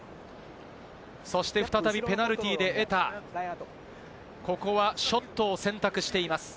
そして再びペナルティーで得た、ここはショットを選択しています。